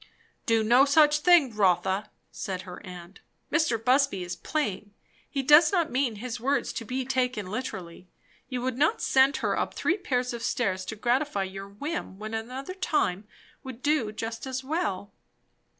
"Do no such thing, Rotha," said her aunt. "Mr. Busby is playing; he does not mean his words to be taken literally. You would not send her up three pair of stairs to gratify your whim, when another time would do just as well?"